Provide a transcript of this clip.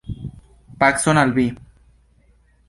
Pacon al vi!